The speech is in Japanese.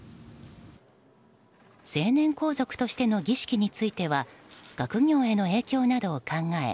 成年皇族としての儀式については学業への影響などを考え